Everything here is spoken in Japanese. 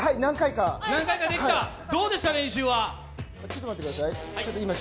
どうでした、練習は？